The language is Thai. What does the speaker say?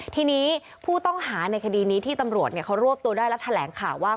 ทีนี้ผู้ต้องหาในคดีนี้ที่ตำรวจเขารวบตัวได้และแถลงข่าวว่า